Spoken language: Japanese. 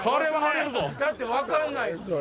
だって分かんないんすもん。